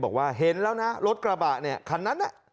บอกว่าเห็นแล้วนะรถกระบะเนี่ยคันนั้นน่ะ